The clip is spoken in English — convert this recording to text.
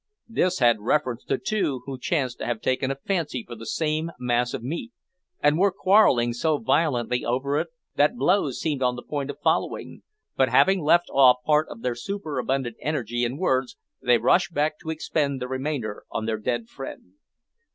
This had reference to two who chanced to have taken a fancy for the same mass of meat, and were quarrelling so violently over it that blows seemed on the point of following, but having let off part of their superabundant energy in words, they rushed back to expend the remainder on their dead friend.